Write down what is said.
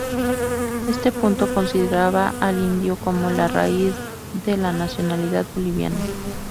Este punto consideraba al indio como "la raíz de la nacionalidad boliviana.